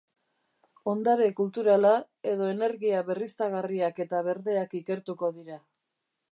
Ondare kulturala edo Energia berriztagarriak eta berdeak ikertuko dira.